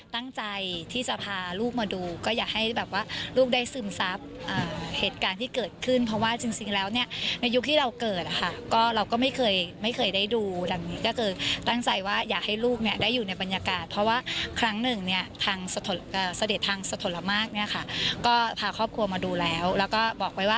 ตั้งใจที่จะพาลูกมาดูก็อยากให้แบบว่าลูกได้ซึมซับเหตุการณ์ที่เกิดขึ้นเพราะว่าจริงแล้วเนี่ยในยุคที่เราเกิดอะค่ะก็เราก็ไม่เคยไม่เคยได้ดูดังนี้ก็คือตั้งใจว่าอยากให้ลูกเนี่ยได้อยู่ในบรรยากาศเพราะว่าครั้งหนึ่งเนี่ยทางเสด็จทางสะทนละมากเนี่ยค่ะก็พาครอบครัวมาดูแล้วแล้วก็บอกไว้ว่า